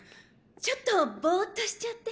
ちょっとボーッとしちゃって。